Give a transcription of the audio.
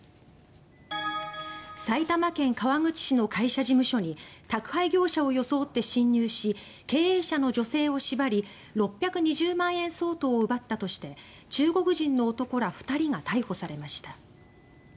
埼玉県川口市の会社事務所に宅配業者を装って侵入し経営者の女性を縛り６２０万円相当を奪ったとして中国人の男ら２人が逮捕されました。